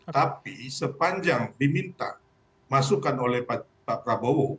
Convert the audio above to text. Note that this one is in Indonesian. tapi sepanjang diminta masukan oleh pak prabowo